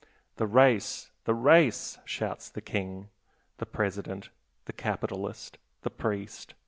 The race, the race! shouts the king, the president, the capitalist, the priest.